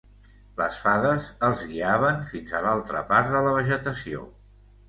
Les fades els guiaven fins a l’altra part de la vegetació.